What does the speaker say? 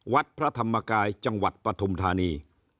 วัดพระธรรมกายจังหวัดปฐุมธานี